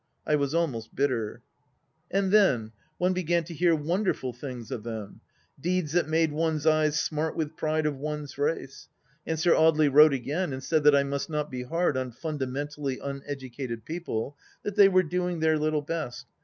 I was almost bitter. And then — one began to hear wonderful things of them : deeds that made one's eyes smart with pride of one's race ; and Sir Audely wrote again and said that I must not be hard on fundamentally uneducated people, that they were doing their little best